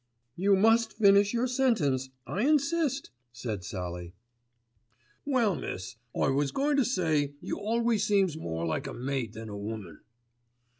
"You must finish your sentence, I insist," said Sallie. "Well, miss, I was goin' to say you always seems more like a mate than a woman."